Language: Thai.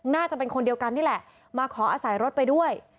น่าจะเป็นคนเดียวกันนี่แหละมาขออาศัยรถไปด้วย